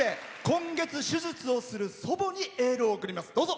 今月、手術をする祖母にエールを送ります。